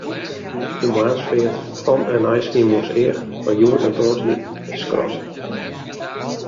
De moarnsfeart fan en nei Skiermûntseach foar hjoed en tongersdei is skrast.